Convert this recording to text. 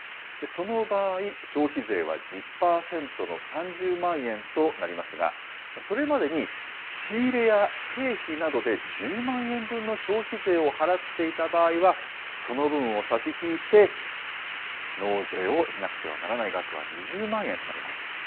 その場合、消費税は１０％の３０万円となりますが、それまでに仕入れや経費などで１０万円分の消費税を払っていた場合は、その分を差し引いて、納税をしなくてはならない額は２０万円となります。